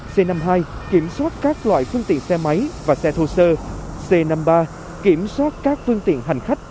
c năm mươi hai kiểm soát các loại phương tiện xe máy và xe thô sơ c năm mươi ba kiểm soát các phương tiện hành khách